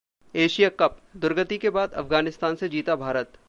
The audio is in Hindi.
एशिया कपः 'दुर्गति' के बाद अफगानिस्तान से जीता भारत